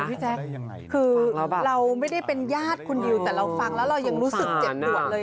พี่แจ๊คคือเราไม่ได้เป็นญาติคนเดียวแต่เราฟังแล้วเรายังรู้สึกเจ็บปวดเลย